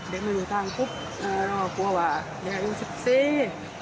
เด็กไม่รู้ทางรอกลัวว่าแย่อุศิษย์